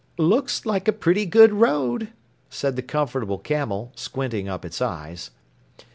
"Looks like a pretty good road," said the Comfortable Camel, squinting up its eyes.